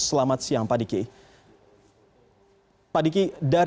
selamat siang pak diki